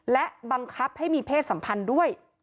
และบังคับให้มีเพศสัมพันธ์ด้วย